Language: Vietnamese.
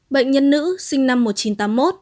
bệnh nhân nữ sinh năm một nghìn chín trăm tám mươi một